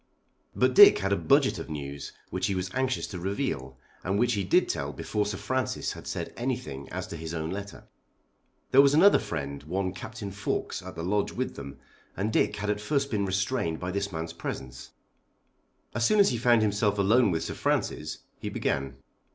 But Dick had a budget of news which he was anxious to reveal, and which he did tell before Sir Francis had said anything as to his own letter. There was another friend, one Captain Fawkes, at the Lodge with them, and Dick had at first been restrained by this man's presence. As soon as he found himself alone with Sir Francis he began.